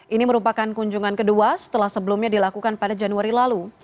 ini merupakan kunjungan kedua setelah sebelumnya dilakukan pada januari lalu